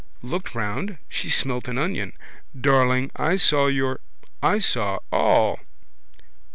Looked round. She smelt an onion. Darling, I saw, your. I saw all.